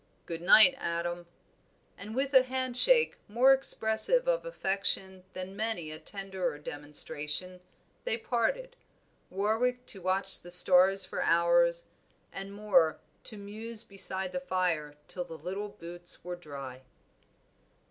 "Good night, Adam." And with a hand shake more expressive of affection than many a tenderer demonstration, they parted Warwick to watch the stars for hours, and Moor to muse beside the fire till the little boots were dry.